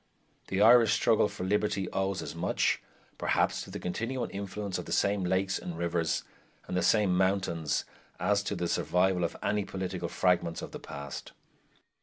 The Irish struggle for liberty owes as much, perhaps, to the continuing influence of the same lakes and rivers and the same mountains as to the survival of any political fragments of the past.